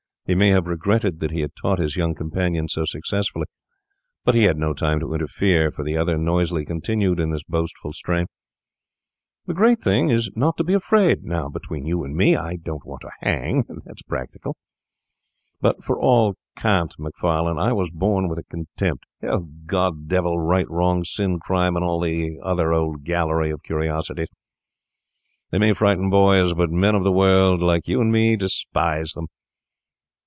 He may have regretted that he had taught his young companion so successfully, but he had no time to interfere, for the other noisily continued in this boastful strain:— 'The great thing is not to be afraid. Now, between you and me, I don't want to hang—that's practical; but for all cant, Macfarlane, I was born with a contempt. Hell, God, Devil, right, wrong, sin, crime, and all the old gallery of curiosities—they may frighten boys, but men of the world, like you and me, despise them.